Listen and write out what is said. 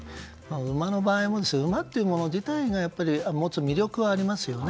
馬の場合も馬というもの自体が持つ魅力がありますよね。